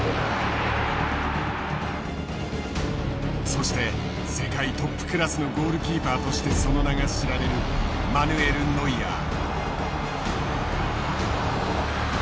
そして世界トップクラスのゴールキーパーとしてその名が知られるマヌエル・ノイアー。